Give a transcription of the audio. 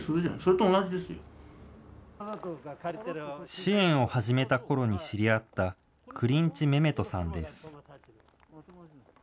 支援を始めたころに知り合った、クリンチ・メメトさんです。